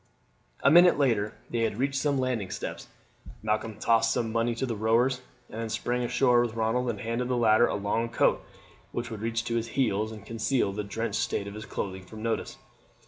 A minute later they had reached some landing steps. Malcolm tossed some money to the rowers, and then sprang ashore with Ronald, and handed the latter a long coat which would reach to his heels and conceal the drenched state of his clothing from notice.